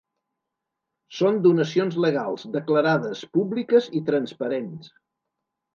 Són donacions legals, declarades, públiques i transparents.